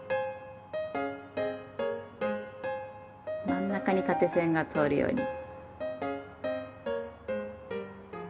真ん中に縦線が通るように。